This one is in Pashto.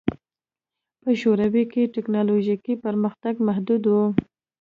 په شوروي کې ټکنالوژیکي پرمختګ محدود و